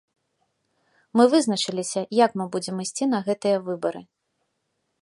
Мы вызначыліся, як мы будзем ісці на гэтыя выбары.